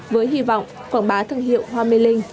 với hy vọng quảng bá thương hiệu hoa mê linh